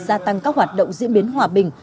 gia tăng các hoạt động diễn biến hòa bình